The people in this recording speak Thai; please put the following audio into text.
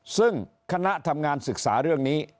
ซึ่งคณะทำงานศึกษาเรื่องนี้